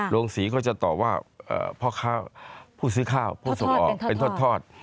โรงสีก็จะตอบพ่อซึ่งข้าวพ่อสู้ออกเป็นทอด